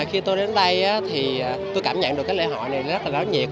khi tôi đến đây thì tôi cảm nhận được cái lễ hội này rất là ngáo nhiệt